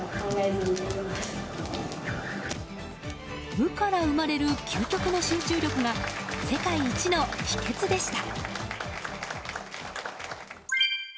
無から生まれる究極の集中力が世界一の秘訣でした。